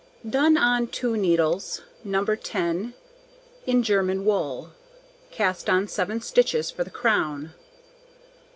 Done on 2 needles, No. 10, in German wool. Cast on 7 stitches, for the crown.